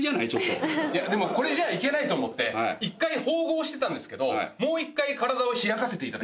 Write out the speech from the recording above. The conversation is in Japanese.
でもこれじゃいけないと思って１回縫合してたんですけどもう１回体を開かせて。